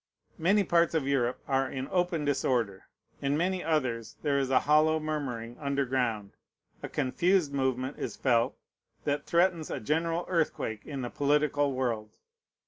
Many parts of Europe are in open disorder. In many others there is a hollow murmuring under ground; a confused movement is felt, that threatens a general earthquake in the political world.